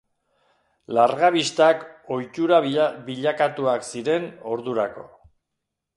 Largabistak ohitura bilakatuak ziren ordurako.